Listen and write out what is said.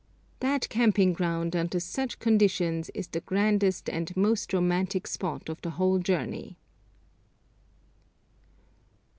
That camping ground under such conditions is the grandest and most romantic spot of the whole journey.